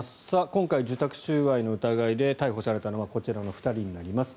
今回、受託収賄の疑いで逮捕されたのはこちらの２人になります。